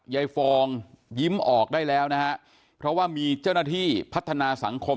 ฟองยิ้มออกได้แล้วนะฮะเพราะว่ามีเจ้าหน้าที่พัฒนาสังคม